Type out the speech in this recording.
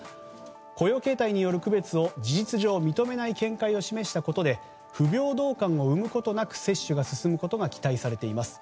雇用形態による区別を事実上認めない見解を示したことで不平等感を生むことなく接種が進むことが期待されています。